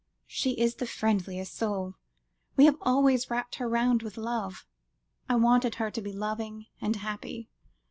"She is the friendliest soul. We have always wrapped her round with love; I wanted her to be loving and happy."